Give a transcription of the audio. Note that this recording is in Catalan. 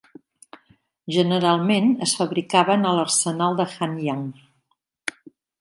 Generalment es fabricaven a l'arsenal de Hanyang.